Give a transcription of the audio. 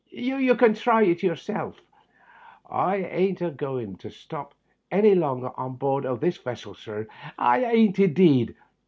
You can try it yourself, sir. I ain't a going to stop hany longer on board o' this vessel, sir ; I ain't, indeed.